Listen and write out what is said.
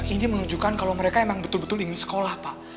ini menunjukkan kalau mereka memang betul betul ingin sekolah pak